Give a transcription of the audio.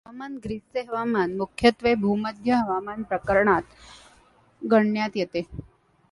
हवामान ग्रीसचे हवामान मुख्यत्वे भूमध्य हवामान प्रकारात गणण्यात येते.